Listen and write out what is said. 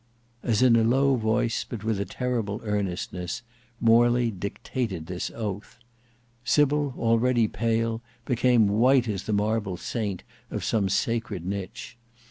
As in a low voice, but with a terrible earnestness, Morley dictated this oath, Sybil, already pale, became white as the marble saint of some sacred niche.